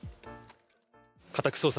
家宅捜索